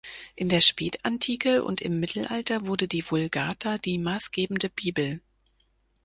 In der Spätantike und im Mittelalter wurde die Vulgata die maßgebende Bibel.